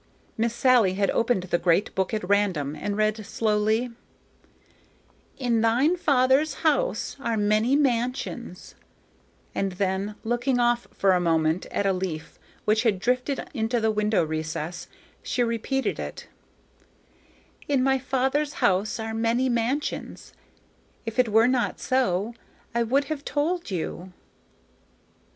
Miss Sally had opened the great book at random and read slowly, "In my Father's house are many mansions"; and then, looking off for a moment at a leaf which had drifted into the window recess, she repeated it: "In my Father's house are many mansions; if it were not so, I would have told you."